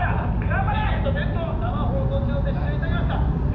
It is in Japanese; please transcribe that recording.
ＴＢＳの伝統、生放送中に撤収いたしました。